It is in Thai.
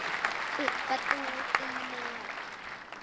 ปิดประตูตีแมว